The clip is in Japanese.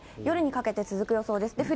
夜にかけて続く予想です。